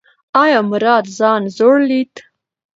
ایا مراد ځان زوړ لید؟